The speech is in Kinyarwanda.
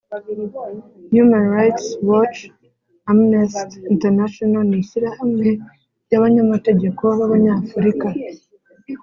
human rights watch, amnesty international, n'ishyirahamwe ry'abanyamategeko b'abanyafurika,